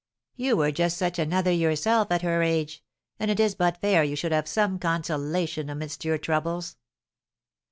"You were just such another yourself at her age; and it is but fair you should have some consolation amidst your troubles!"